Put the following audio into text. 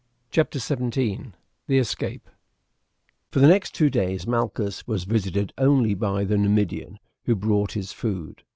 CHAPTER XVII: THE ESCAPE For the next two days Malchus was visited only by the Numidian who brought his food.